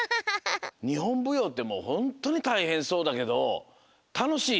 にほんぶようってもうホントにたいへんそうだけどたのしい？